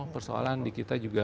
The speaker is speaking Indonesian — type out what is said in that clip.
persoalan di kita juga